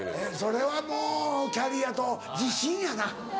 それはもうキャリアと自信やな。